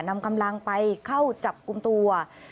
นำกำลังไปเข้าจับกลุ่มตัว